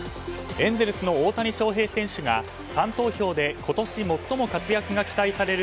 エンゼルスの大谷翔平選手がファン投票で今年最も活躍が期待される